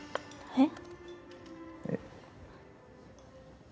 えっ？